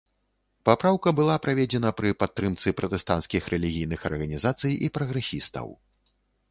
Папраўка была праведзена пры падтрымцы пратэстанцкіх рэлігійных арганізацый і прагрэсістаў.